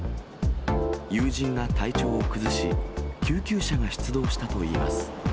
友人が体調を崩し、救急車が出動したといいます。